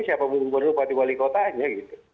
siapapun berupati wali kotanya